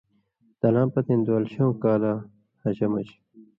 تَلاں پتَیں دُوالشؤں کالاں حجہ مژ